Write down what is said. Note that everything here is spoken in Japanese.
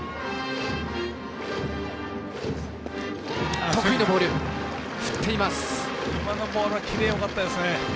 今のボールはキレよかったですね。